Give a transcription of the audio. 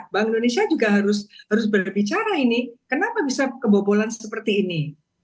bank indonesia juga harus berbicara ini kenapa bisa kebobolan seperti ini